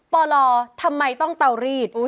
ปลอร์ลอทำไมต้องต่อรีด